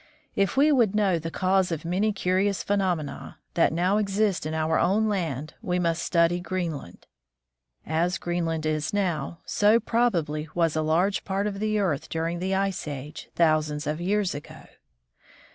If we would know the cause of many curious phe nomena that now exist in our own land, we must study Greenland. As Greenland is now, so, probably, was a large part of the earth during the ice age, thousands of years ago.